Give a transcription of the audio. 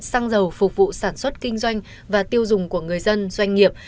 xăng dầu phục vụ sản xuất kinh doanh và tiêu dùng của người dân doanh nghiệp